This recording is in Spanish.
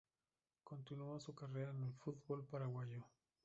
Continuó su carrera en el fútbol paraguayo.